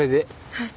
はい。